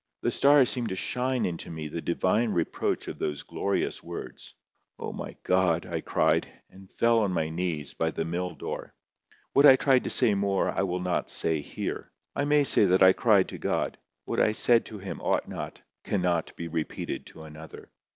The stars seemed to shine into me the divine reproach of those glorious words. "O my God!" I cried, and fell on my knees by the mill door. What I tried to say more I will not say here. I MAY say that I cried to God. What I said to Him ought not, cannot be repeated to another.